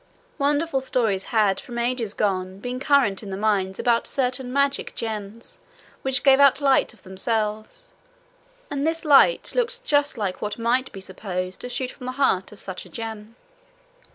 Wonderful stories had from ages gone been current in the mines about certain magic gems which gave out light of themselves, and this light looked just like what might be supposed to shoot from the heart of such a gem.